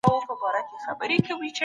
بايسکل چلول ښه ورزش دی.